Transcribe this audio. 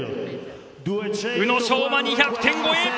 宇野昌磨２００点超え！